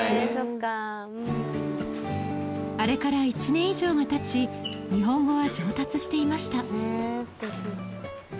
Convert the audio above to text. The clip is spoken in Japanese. あれから１年以上がたち日本語は上達していました